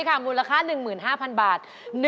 ค่ะมูลราค่า๑๕๐๐๐บาท